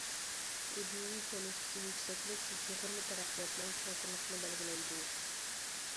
ئىدىيەۋى تونۇشتىكى يۈكسەكلىك يۇغۇرما تەرەققىياتنىڭ چوڭقۇرلۇقىنى بەلگىلەيدۇ.